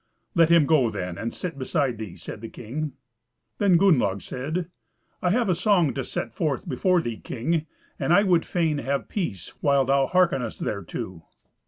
"Let him go, then, and sit beside thee," said the king. Then Gunnlaug said, "I have a song to set forth before thee, king, and I would fain have peace while thou hearkenest thereto."